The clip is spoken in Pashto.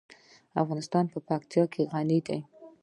افغانستان په پکتیا غني دی.